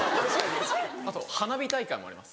あと花火大会もあります。